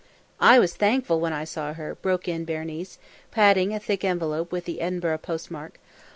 "I was thankful when I saw her," broke in Berenice, patting a thick envelope with the Edinburgh post mark.